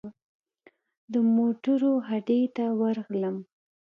د موټرو هډې ته ورغلم.